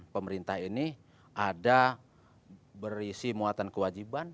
pemerintah ini ada berisi muatan kewajiban